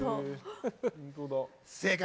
正解！